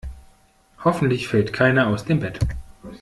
Hoffentlich fällt keiner aus dem Bett.